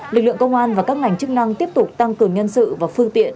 lực lượng công an và các ngành chức năng tiếp tục tăng cường nhân sự và phương tiện